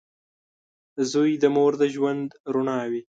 • زوی د مور د ژوند رڼا وي.